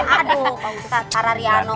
aduh pak ustadz para riano